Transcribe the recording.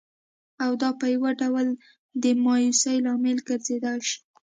او دا په یوه ډول د مایوسۍ لامل ګرځېدای شي